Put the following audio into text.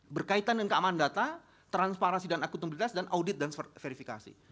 berkaitan dengan keamanan data transparansi dan akuntabilitas dan audit dan verifikasi